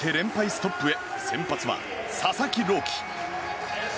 ストップへ先発は佐々木朗希。